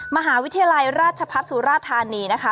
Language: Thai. มหาวิทยาลัยราชพัฒน์สุราธานีนะคะ